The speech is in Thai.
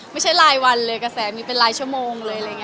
ไม่ใช่รายวันเลยกระแสมีเป็นรายชั่วโมงเลย